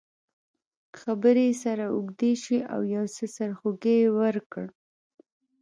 خبرې یې سره اوږدې شوې او یو څه سرخوږی یې ورکړ.